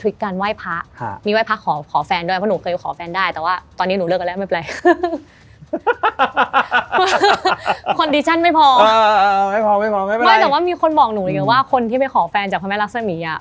ใช่ทางอยู่ทุกมีวัฒนภาพหอดมากมั้ย